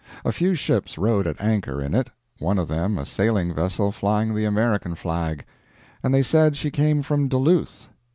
A few ships rode at anchor in it one of them a sailing vessel flying the American flag; and they said she came from Duluth!